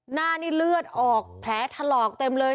หน้านี่เลือดออกแผลถลอกเต็มเลย